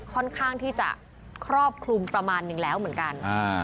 ค่อนข้างที่จะครอบคลุมประมาณนึงแล้วเหมือนกัน